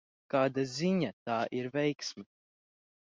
Kādā ziņā tā ir veiksme?